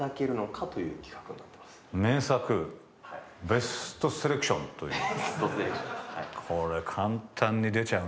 ベストセレクションです。